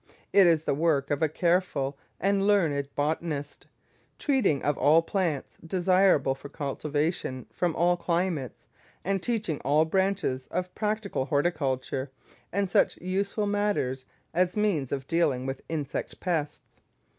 It is the work of a careful and learned botanist, treating of all plants desirable for cultivation from all climates, and teaching all branches of practical horticulture and such useful matters as means of dealing with insect pests.